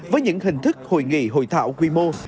với những hình thức hội nghị hội thảo quy mô